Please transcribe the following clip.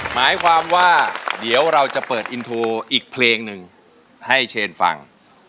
หมายความว่าเดี๋ยวเราจะเปิดอินโทรอีกเพลงหนึ่งให้เชนฟัง